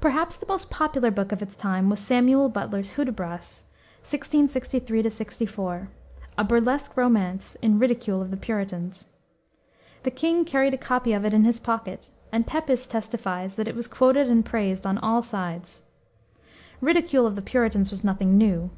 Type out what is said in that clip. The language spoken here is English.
Perhaps the most popular book of its time was Samuel Butler's Hudibras (1663 64), a burlesque romance in ridicule of the Puritans. The king carried a copy of it in his pocket, and Pepys testifies that it was quoted and praised on all sides. Ridicule of the Puritans was nothing new.